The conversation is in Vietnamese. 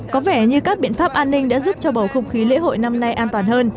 có vẻ như các biện pháp an ninh đã giúp cho bầu không khí lễ hội năm nay an toàn hơn